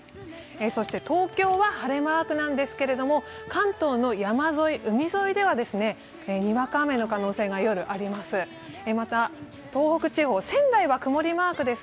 そして東京は晴れマークなんですけれども、関東の山沿い・海沿いでは、夜、にわか雨の可能性があります。